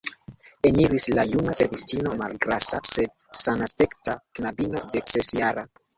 Eniris la juna servistino, malgrasa, sed sanaspekta knabino deksesjara.